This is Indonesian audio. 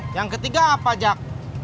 yang ketiga apa jack